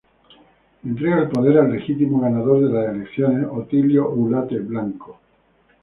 Entrega el poder al legítimo ganador de las elecciones Otilio Ulate Blanco.